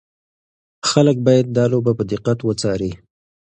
خلک باید دا لوبه په دقت وڅاري.